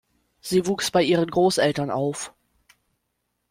Sie wuchs bei ihren Grosseltern auf.